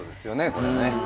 これはね。